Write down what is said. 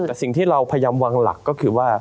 แต่สิ่งที่เราพยายามวางหลักก็คือว่า